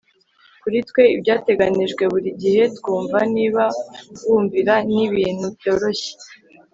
kuri twe, ibyateganijwe buri gihe twumva niba wumvira, ni ibintu byoroshye